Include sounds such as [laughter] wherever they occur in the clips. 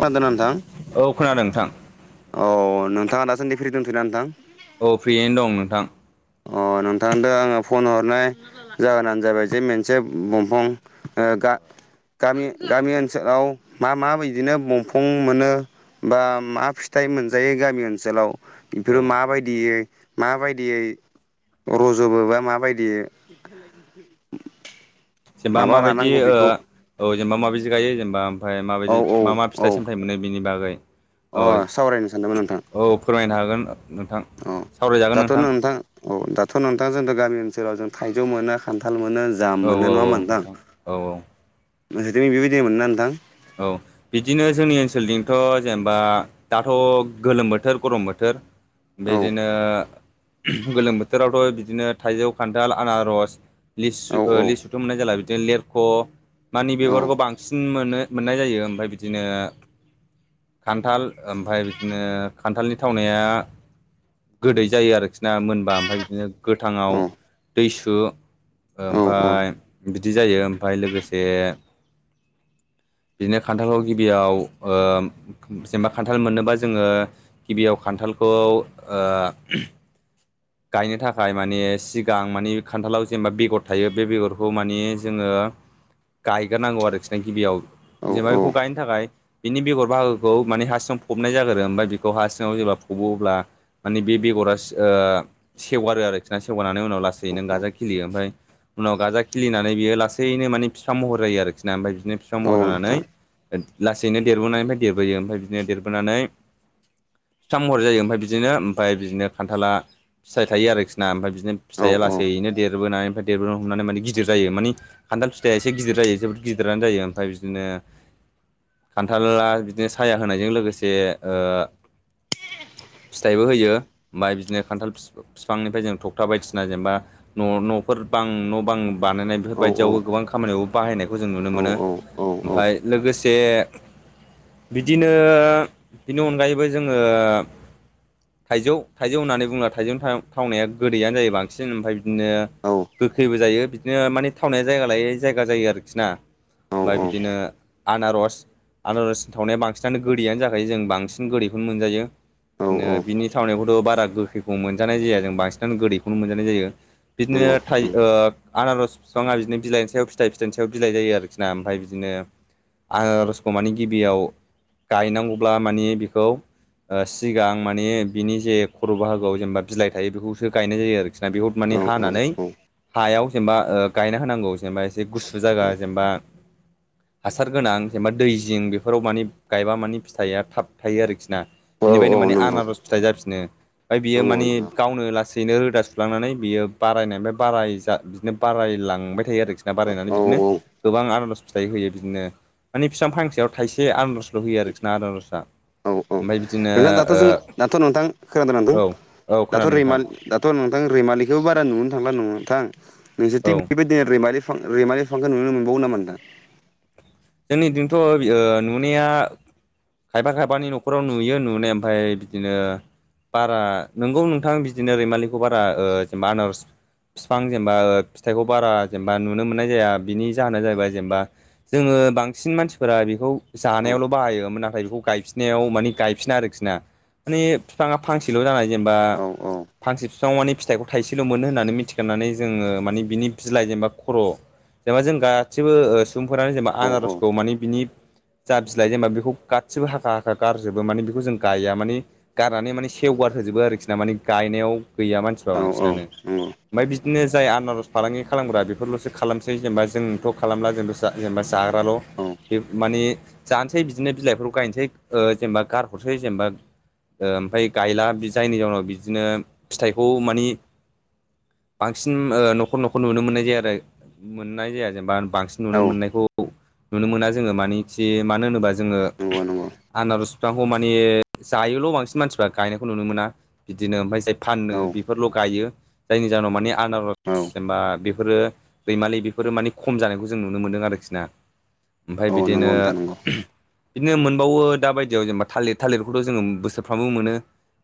खोनादों नोंथां औ खोनादों नोंथां औ नोंथाङा दासान्दि फ्रि दंथ'ना नोंथां औ फ्रियैनो दं नोंथां अ नोंथांदो आङो फन हरनाय जाहोनानो जाबाय जे मोनसे दंफां गा गामि गामि ओनसोलाव मा मा बिदिनो दंफां मोनो बा मा फिथाइ मोनजायो गामि ओनसोलाव बेफोरो औ माबायदियै माबायदियै रज'बो बा माबायदियै [inaudible] जेनेबा माबा माबायदि लानांगौ ओ बेखौ औ जेनेबा माबायदि गायो जेनेबा ओमफ्राय औ माबायदि औ मा मा औ फिथाइ सामथाइ मोनो बेनि बागै अ औ सावरायनो सानदोंमोन नोंथां औ फोरमायनो हागोन नोंथां अ सावरायजागोन नोंथां औ दाथ' नोंथां जों गामि ओनसोलाव जों थाइजौ मोनो खान्थाल मोनो जा औ मोनो औ नङा होमबा नोंथां औ नोंसोरनिथिं बेबायदिनो मोनो ना नोंथां औ बिदिनो जोंनि ओनसोलनिथ' जेनेबा दाथ' गोलोम बोथोर गरम बोथोर औ बिदिनो गोलोम बोथोरावथ' बिदिनो थाइजौ खान्थाल आनारस औ लिु-लिसुथ' मोननाय जला बिदिनो लेरख' मानिे औ बेफोरखौ बांसिन मोनो मोननाय जायो ओमफ्राय बिदिनो खान्थाल ओमफाय बिदिनो खान्थालनि थावनाया गोदै जायो आरोखि ना मोनबा ओमफ्राय बिदिनो गोथां औ आव दैसु औ ओमफाय बिदि जायो ओमफाय लोगोसे बिदिनो खान्थालाव गिबियाव जेनेबा खान्थाल मोननोबा जोङो गिबियाव खान्थालखौ ओ गायनो थाखाय मानि सिगां मानि खान्थालाव जेनेबा बेगर थायो बे बेगरखौ मानि जोङो गायग्रोनांगौ आरोखि ना गिबियाव औ जेनेबा बेखौ गायनो बेनि थाखाय बिनि बेगर बाहागोखौ माने हा सिङाव फबनाय जाग्रो ओमफ्राय बेखौ हा सिङाव जेब्ला फब अब्ला माने बे बेगरा सेवगारो आरोखि ना सेवगारनानै उनाव लासै औ नों औ गाजा खिलियो ओमफ्राय उनाव गाजा खिलिनानै बियो लासैनो माने फिफां महर जायो आरोखि ना मफ्राय बिनो बिफां औ महर नोंथां जानानै लासैनो देरबोनानैनिफ्राय देरबोयो ओमफ्राय बिदिनो देरबोनानै फिफां महर जायो ओमफ्राय बिदिनो ओमफ्राय बिदिनो खान्थाला फिथाइ थायो आरोखि ना ओमफ्राय बिदिनो औ फिथाइया औ लासैनो देरबोनानै ओमफ्राय देरबोनो हमनानै माने गिदिर जायो मानि खान्थाल फिथाइया एसे गिदिर जायो गिदिरानो जायो ओमफ्राय बिदिनो खान्थालाला बिदिनो साया होनायजों लोगोसे फिथाइबो होयो ओमफफ्राय बिदिनो खान्थाल बिफांनिफ्राय जों थगथा बायदिसिना जेनेबा न' न'फोर बां न' बां बानायनाय औ बेफोरबायदियावबो गोबां खामानियावबो बाहायनायखौ जों नुनो मोनो। औ औ औ ओमफफ्राय लोगोसे बिदिनो बेनि अनगायैबो जोङो थाइजौ- थाइजौ होननानै बुङ्ला थाइजौ थावनाया गोदैयानो जायो बांसिन ओमफ्राय बिदिनो औ गोखैबो जायो बिदिनो माने थावनाया जायगा लायै जायगा जायो आरोखि ना ओमफ्राय बिदिनो आनारस आनारसनि थावनाया बांसिनानो गोदैयानो जाखायो जों बांसिन गोदैखौनो मोनजायो। बिदिनो बिनि थावनायखौथ' बारा गोख्रै मोनजानाय जाया जों बांसिनानो गोदैखौनो मोनजानाय जायो बिदिनो थाइ ओ आनारस बिफाङा बिदिनो बिलाइनि सायाव फिथाइ फिथाइनि सायाव बिलाइ जायो आरोखि ना ओमफ्राय बिदिनो आनारसखौ माने गिबियाव गायनांगौब्ला मानि बिखौ सिगां माने बिनि जे खर' बाहाग फाव जेनेबा बिलाइ थायो बेखौसो गायनाय जायो आरोखि ना बेखौ माने हानानै हायाव जेनेबा गायना होनांगौ जेनेबा एसे गुसु जायगा जेनेबा [inaudible] हासार गोनां जेनबा दै जिं बेफोराव माने गायबा माने फिथाइया थाब थायो आरोखि ना। बिनिफ्रायनो माने नंगौ आनारज फिथाइ जाफिनो ओमफ्राय औ बियो माने गावनो लासै बिनो रोदा सुलांनानै बियो बारायनायनि फ्राय बाराय बिदिनो बारायलांबाय थायो आरोखि ना बारायनानै औ बिदिनो औ गोबां आनज फिथाइ होयो बिदिनो माने बिफां फांसेयाव थाइसे आनजल' होयो आरोखि ना आनारसआ नंगौ औ औ औ ओमफ्राय बिदिनो नोंथां दाथ' जो ओ दाथ' नोंथां खोनादों [unintelligible] नांदों औ औ दाथ' खोनादों नोंथां रिमान दाथ' नोंथां रैमालिखौबो बारा नुनो थांला नङ नोंथां औ नोंसोरथि बेबायदि रैमालि फिखौ नुनो मोनबावो नामा नोंथां? जोंनिदिथ'ओ नुनाया खायफा खायफानि न'खराव नुयो नुनाय ओमफ्राय बिदिनो बारा नोंगौ नोंथां बिदिनो रैमालिखौ बारा जेनेबा आनारस बिफां जेनेबा फिथाइखौ बारा जेनेबा नुनो मोननाय जाया बिनि जाहोना जाहैबाय जेनेबा जोङो बांसिन मानसिफोरा बेखौ औ जानाययावल बाहायो नाथाय गायनायाव गायफिना आरो खि ना माने बिफाङा फांसेल' जानाय जेनेबा औ फांसे बिफांङाव माने फिथाइखौ थाइसेल' मोन होननानै मिथिखांनानै जोङो मानि बिनि बिलाइ जेनेबा खर' जेनेबा जों गासिबो सुबुंफोरानो जेनेबा औ आनारसखौ मानि बिनि जा बिलाइ जेनेबा बेखौ गासिबो हाखा हाखा गारजोबो माने बेखौ जों गया माने गारनानै माने सेवगार होजोबो आरोखि ना माने गायनायाव गैया मानसिफ्रा औ औ बांसिनानो नंगौ ओमफ्राय बिदिनो जाय आनारज फालांगि खालामग्रा बेफोरलसो खालामसै जेनेबा जोंथ' खालामला जोंथ' जा जेनेबा जाग्राल' औ बे माने जानोसै बिदिनो बिलाइफोरखौ गायनोसै जेनेबा गारहरसै जेनेबा ओमफ्राय गायला जायनि जाउनाव बिदिनो फिथाइखौ मानि बांसिन न'खर न'खर नुनो मोननाय जाया आरो मोननाय जाया जेनेबा बांसिन औ नुनो मोननायखौ नुनो मोना जोङो मानखि मानो होनोबा जोङो नंगौ नंगौ आनारस बिफांखौ माने जायोल बांसिन मानसिफ्रा माने गायनायखौ नुनो मोना बिदिनो फाननो औ बेफोरल' गायो जायनि जाहोनाव माने आनार औ जेनबा बे बेफोरो रैमाललि बेफोरो मानिे खम जानायखौ जों नुनो मोन्दों आरोखि ना। ओमफफ्राय औ बिदिनो नंगौ नोंथां नंगौ बिदिनो मोनबावो दा बायदियाव जेनेबा थालिर थालिरखौथ' जोङो बोसोरफ्रामबो मोनो।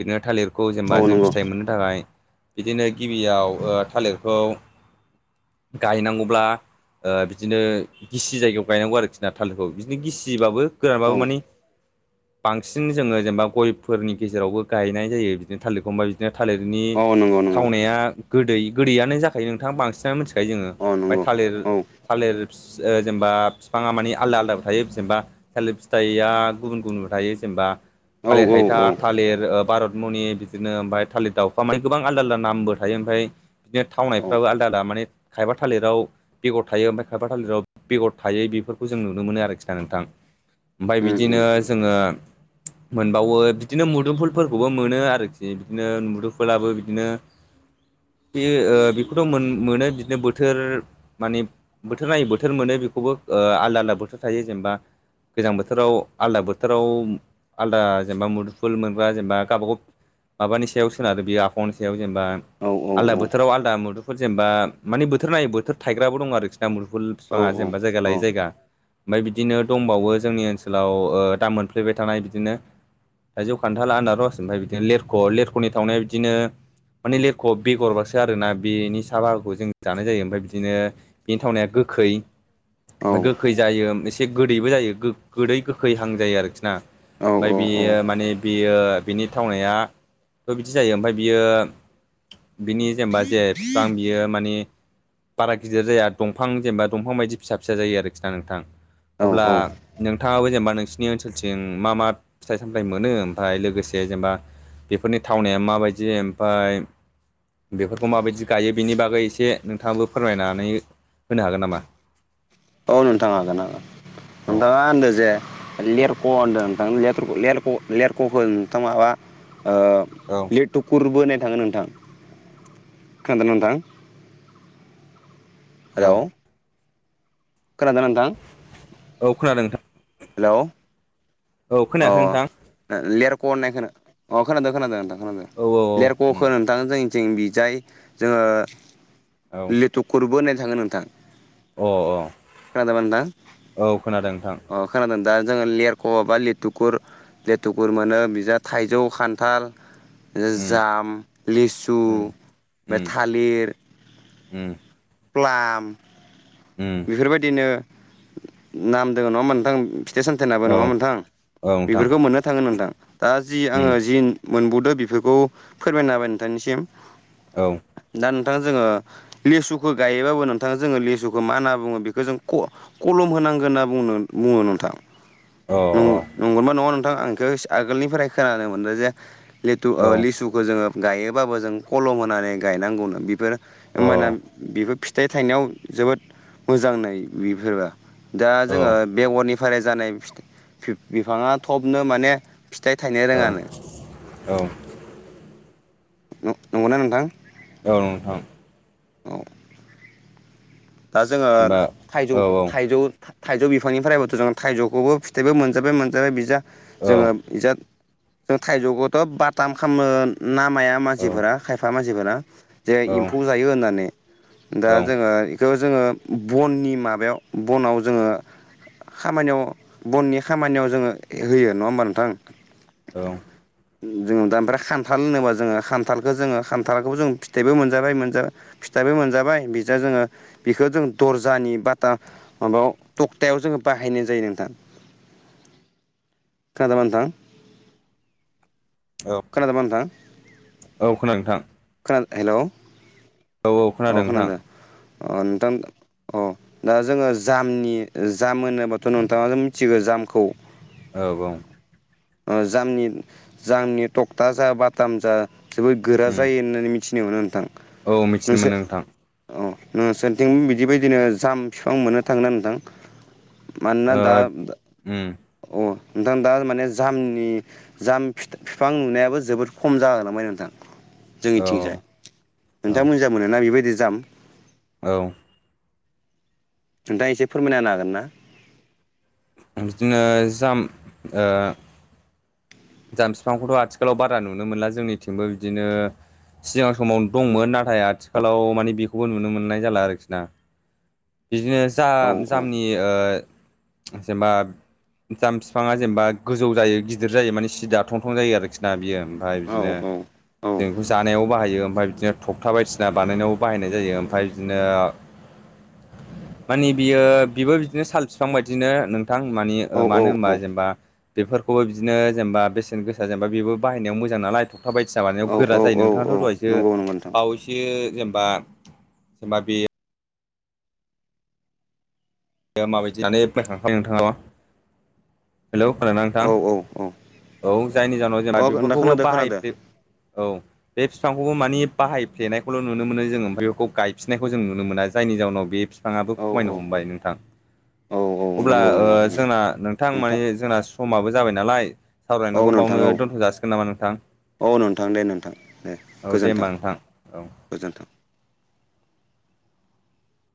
बिदिनो थालिरखौ औ जेनेबा जों नंगौ फिथाइ मोननो थाखाय बिदिनो गिबियाव थालिरखौ गायनांगौब्ला बिदिनो गिसि जायगायाव गायनांगौ आरोखि ना थालिरखौ बिदिनो गिसिबाबो औ गोरानबाबो मानि बांसिन जोङो जेनेबा गयफोरनि गेजेरावबो गायनाय जायो बिदिनो थालिरख बिफां बाय बिदिनो थालिरनि औ नंगौ नंगौ थावनाया गोदै गोदैयानो जाखायो नोंथां बांसिनानो मि बेखाय जोङो औ ओमफ्राय नंगौ थालिर औ थालिर ओ जेनेबा बिफाङा माने आलदा आलदााब थायो जेनेबा थिर फिथाइआ गुबुन गुबुनबो थायो जेनेबा। औ थालिर औ हायथा औ थालिर भारत मुनि। बिदिनो ओमफ्राय थालिर दाउफ्रा माने गोबां आलदा आलदा नामबो थायो ओमफ्राय बिदिनो औ थावनायफ्राबो आलदा आद मानानि खायफा थालिराव बेगर थायो ओमफ्राय खायबा थालिराव बेगर थायै बेफोरखौ जों नुनो मोनो आरोखि ना नोंथां। ओमफ्राय उम बिदिनो उम जोङो मोनबावो बिदिनो मुदुमफुलफोरखौबो मोनो आरोखि बिदिनो मुदुमफुलबो बिदिनो [inaudible] बे बेखौथ' मोनो बिदिनो बोथोर माने बोथोर नायै बोथोर मोनो बेखौबो आलदा आलदा बोथोर थायो जेनेबा गोजां बोथोराव आलदा बोथोराव आलदा जेनेबा मुदुफुल मोनग्रा जेनेबा गावबा गाव माबानि सायाव सोनारो बियो आफावनि सायाव जेनेबा औ औ आलदा औ बोथोराव आलदा मुदुफल जेनेबा मानि बोथोर नायै बोथोर थायग्राबो दं आरोखि ना मुदुमफुल औ बिफांङा जेनेबा जायगा औ लायो जायगा। ओमफ्राय बिदिनो दंबावो जोंनि ओनसोलाव ओ दा मोनफ्लेबाय थानाय बिदिनो। थाइजौ, खान्थाला, आनारस ओमफ्राय बिदिनो लेरख' लेरख'नि थावनायाव बिदिनो माने लेरख'आव बेगरलसो आरोना बेनि साहा बाहागोखौ जों जानाय जायो ओमफफ्राय बिदिनो बेनि थावनाया गोखै। औ ओमफ्राय गोखै जायो एसे गोदैबो जायो गो गोदै गोखैहां जायो आरोखि ना। ओमफफ्राय बियो माने बियो बिनि थावनायाथ' बिदि जायो ओमफफ्राय बियो‌। बिनि जेनेबा जे बिफां बियो माने बारा गिदिर जाया दंफां जेनेबा दंफां बायदि फिसा फिसा जायो आरोखि ना नोंथां। औ अब्ला नोंथाङाबो जेनेबा नोंसिनि ओनसोलथिं मा मा फिथाइ सामथथाय मोनो ओमफ्राय लोगोसे जेनेबा बेफोरनि थावनाया माबायदि ओमफ्राय बेफोरखौ माबायदि गायो बेनि बागै एसे नोंथाङाबो फोरमायनानै होनो हागोन नामा? औ नोंथां हागोन हागोन। औ नोंथाङा होनदों जे लेर क होनदों नोंथां लेर -लेरथ'- लेरथ'खो नोंथां माबा ओ औ। लेटुकुरबो होननाय थांङो नोंथां। खोनादोंना नोंथां? औ हेलौ। खोनादोंना नोंथां? औ खोनादों नोंथां। हेलौ। औ अ खोनायाखै नोंथां लेरख' होननाय खोनो अ खोनादों खोनादों नोंथां खोनादों। औ औ। उम लेरक'खो नोंथांङा जोंनिथिं जाय जोङो लिट कुरबो होननाय थाङो नोंथां। औ अ खोनादोंबा नोंथां? अ औ खोनादों नोंथां अ खोनादों दा जो लेरख'बा लिट टुकुर लेटुकुर मोनो बिजा थाइजौ खान्थाल उम जाम लिसु उम उम मेथालिर उम प्लाम ओम बेफोरबायदिनो नाम दोङो नङाहोनबा नोंथां। फिथाइ सामथाइनाबो औ नङाहोनबा नोंथां? औ नोंथां बेफोरखौ मोननो थाङो नोंथां दा जि उम आङो जिन मोनबुदो बेफोरखौ फोरमायना होबाय नोंथांनिसिम। औ दा नोंथां जोङो लेसुखौ गायोबाबो नोंथां जोङो लेसुखौ मा होनना बुङो बेखौ क कलम होनांगोन होनना बुंङ बुङो नोंथां अ नु नंगौना नङा नोंथां आं इस आगोलनिफ्राय खोनानो मोनदों जे लेटु ओ औ अ लिसु गौ जोङो गायोबाबो जों कलम होनानै गायनांगौनो बेफोर औ होनबाना बेफोर फिथाइ थायनायाव जोबोद मोजांनो बेफोरो दा औ जोङो बेगरनिफ्राय जानाय फिथ बिफ बिफाङा थबनो माने फिथाइ थाइनेय औ औ। न नंगौना नोंथां? औ नोंथां औ दा जोङो बा थाइजौ औ थाइजौ थाइजौ बिफांनिफ्रायबोथ' जों थाइजौखौबो फिथाइबो मोनजाबाय मोनजाबाय बिजा औ जोङोब इजाद जों थाइजौखौथ' बाटाम खामनो नामाया मानसिफोरा खायफा मानसिफोरा जे औ एम्फौ जायो होननानै दा औ जोङो खौ जोङो बननि माबायाव बनाव जोङो खामानियाव बननि खामानियाव जोङो होयो नङा होमबा नोंथां? औ [inaudible] जोङो दा ओमफ्राय खान्थाल होनोबा जोङो खान्थालखौ जोङो खान्थालखौबो जों फिथाइबो मोनजाबाय मोनजाबाय। फिथाइबो मोनजाबाय बिजा जोङो बेखौ जों दर्जानि बाटा माबाव टक्तायाव जोङो बाहायनाय जायो नोंथां। खोनादोना नोंथां? औ खोनादोंबा नोंथां औ खोनादों नोंथां खोना हेलौ औ औ अ खोनादों नोंथां खोनादो अ नोंथां। अ दा जोङो जामनि जाम होनोबाथ' नोंथाङा नो मिथिगो जामखौ। औ औ। ओ जामनि जाङनि टक्टा जा बाटाम जा जोबोद गोरा उम जायो होननानै मिथिनो मोनो नोंथां। औ मिथिनो नोंसोर मोनो नोंथां। अ न सोरोरथिं बिदिबायदिनो जाम फिफां मोननो थांगोना नोंथां? मानना ओ दा उम अ नोंथां दा माने जामनि जाम फि बिफां नुनायाबो जोबोद खम जागोलाय नोंथां औ जोंनिथिंसाय नोंथांा औ मोजां मोनोना बेबायदि दाम औ नोंथाङा एसे फोरमायना हागोन ना? बिदिनो जाम जाम बिफांखौथ' आथिखालाव बारा नुनो मोनला जोंनिथिंबो बिदिनो सिगां समाव दंमोन नाथाय आथिखालाव मानिे बेखौबो नुनो मोननाय जाला आरोखि ना। बिदिनो जा हागोन ना जामनि ओ जेमबा जाम बिफाङा जेमबा गोजौ जायो गिदिर जायो माने दाथं थं जायो आरोखि ना बियो ओमफ्राय औ बिदिनो औ जोंखौ जानायाव बाहायो ओमफ्राय बिदिनो थखथा बायदिसिना बानायनायावबो बाहायनाय जायो ओमफ्राय बिदिनो मानि बियो बिबो बिदिनो साल बिफां बायदिनो नों थां मानि औ मानो होनबा जेनेबा बेफोरखौबो बिदिनो जेनेबा बेसेन गोसा जेनेबा बेबो बाहायनायाव मोजां नालाय थखथा बायदिसिना मानायाव गोरा औ जायो औ औ नंगौ नोंथाङाथ' दहायसो नंगौ नोंथां बावै बि जेनेबा जेमबा बे माबायदि [unintelligible] हेलौ खोनादोंना नोंथां? औ औ औ जायनि जाहोनाव जोंना अ नोंथां बेफोरखौबो खोनादो खोनादो बाहायफ्लि औ। बे फिफांखौबो मानि बाहायफ्लेनायखौल' नुनो मोनो जों ओमफ्राय बेखौ गायफिननायखौ जों नुनो मोना जायनि जाहनाव बे बिफाङाबो औ औ खमायनो हमबाय नोंथां। औ औ अब्ला नंगौ नंगौ नंगौ जोंना नोंथां माने जोंना समाबो जाबाय नालाय। औ सावरायनायखौ नोंथां बावनो औ दोन्थ' जासिगोन नामा नोंथां। औ नोंथां दे नोंथां दे औ दे होमबा गोजोन्थों नोंथां औ गोजोनथों।